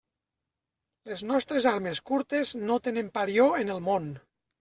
Les nostres armes curtes no tenen parió en el món.